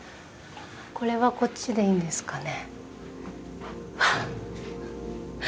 これはこっちでいいんですかね？